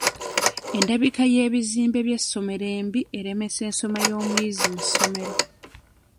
Endabika y'ebizimbe by'essomero embi eremesa ensoma y'omuyizi mu ssomero.